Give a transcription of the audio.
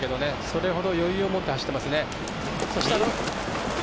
それほど余裕を持って走ってます。